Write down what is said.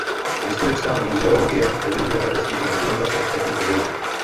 Historická muzeologie ovlivňuje také způsob dokumentace ostatních oborů.